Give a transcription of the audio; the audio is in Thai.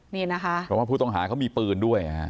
เพราะว่าผู้ต้องหาเขามีปืนด้วย